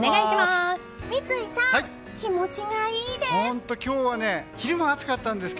三井さん、気持ちがいいです！